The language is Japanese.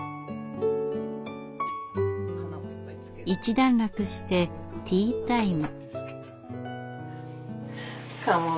一段落してティータイム。